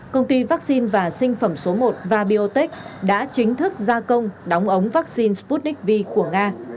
công ty vaccine và sinh phẩm số một vabiotech đã chính thức gia công đóng ống vaccine sputnik v của nga